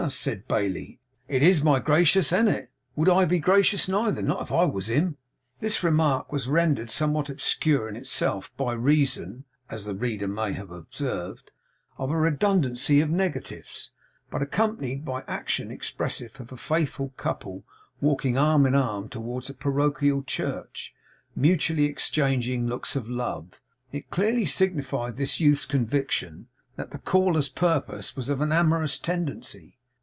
said Bailey. 'It IS my gracious, an't it? Wouldn't I be gracious neither, not if I wos him!' The remark was rendered somewhat obscure in itself, by reason (as the reader may have observed) of a redundancy of negatives; but accompanied by action expressive of a faithful couple walking arm in arm towards a parochial church, mutually exchanging looks of love, it clearly signified this youth's conviction that the caller's purpose was of an amorous tendency.